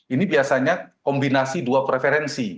ini biasanya kombinasi dua preferensi